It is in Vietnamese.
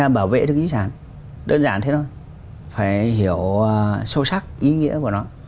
bảo vệ được di sản đơn giản thế thôi phải hiểu sâu sắc ý nghĩa của nó